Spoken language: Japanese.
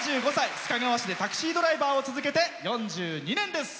須賀川市でタクシードライバーを続けて４２年です。